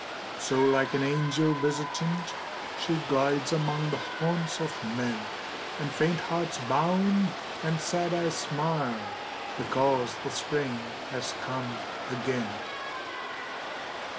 So, like an angel visitant, She glides among the haunts of men, And faint hearts bound, and sad eyes smile, Because the Spring has come again.